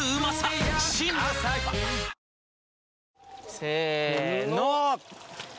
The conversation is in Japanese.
せの！